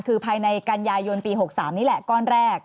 คือภายในกันยายนปี๖๓นี่แหละก้อนแรก